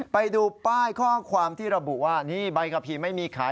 ไปดูป้ายข้อความที่ระบุว่านี่ใบขับขี่ไม่มีขาย